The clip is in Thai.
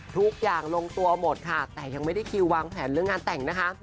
ทุกอย่างลงตัวหมดค่ะแต่ยังไม่ได้คิววางแผนเรื่องงานแต่งนะคะ